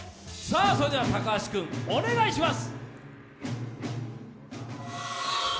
それでは高橋君、お願いします。